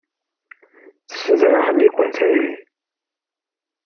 Tesderɣel-iken tayri.